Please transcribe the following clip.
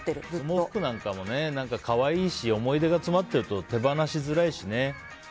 子供服なんかも可愛いし思い出が詰まってると手放しづらいしね。